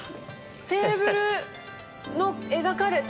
テーブルの描かれた。